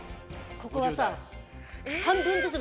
ここはさ。